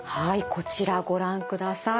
こちらご覧ください。